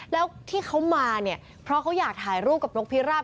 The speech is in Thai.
แล้วที่เขามาเนี่ยเพราะเขาอยากถ่ายรูปกับนกพิราบ